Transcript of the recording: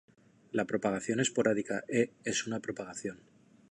La propagación esporádica E es una propagación.